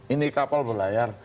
ini kapal belayar